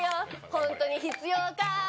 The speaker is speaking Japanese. ホントに必要か。